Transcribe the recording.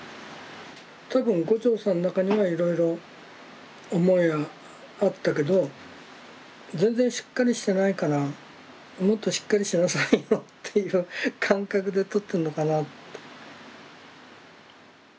多分牛腸さんの中にはいろいろ思いはあったけど全然しっかりしてないからもっとしっかりしなさいよっていう感覚で撮ってんのかな。